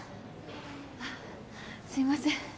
あっすいません。